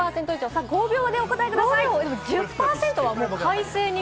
さぁ、５秒でお答えください。